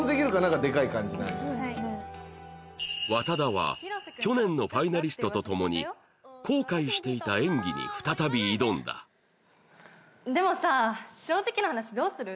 和多田は去年のファイナリストとともに後悔していた演技に再び挑んだでもさ正直な話どうする？